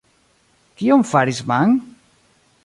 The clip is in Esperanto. Kion faris Man?